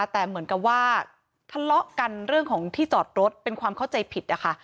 แต่เหมือนกับว่าทะเลาะกันเรื่องของที่จอดรถเป็นความเข้าใจผิดนะคะ